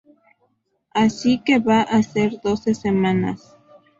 Así que va a ser doce semanas.